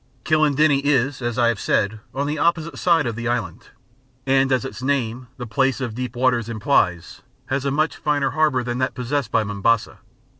Kilindini is, as I have said, on the opposite side of the island, and as its name "the place of deep waters" implies, has a much finer harbour than that possessed by Mombasa.